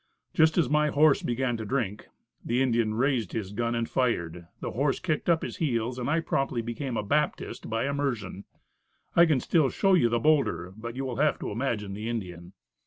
Just as my horse began to drink, the Indian raised his gun and fired; the horse kicked up his heels, and I promptly became a Baptist by immersion. I can still show you the boulder, but you will have to imagine the Indian.